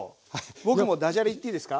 僕もダジャレ言っていいですか？